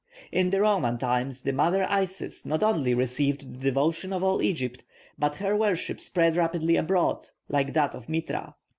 In the Roman times the mother Isis not only received the devotion of all Egypt, but her worship spread rapidly abroad, like that of Mithra.